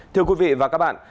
thưa quý vị và các bạn